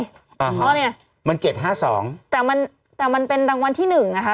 เพราะอะไรมันเจ็ดห้าสองแต่มันแต่มันเป็นรางวัลที่หนึ่งนะคะ